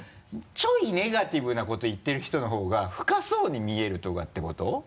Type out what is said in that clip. ちょいネガティブなこと言ってる人の方が深そうに見えるとかっていうこと？